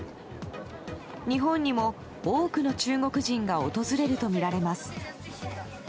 日本にも多くの中国人が訪れるとみられます。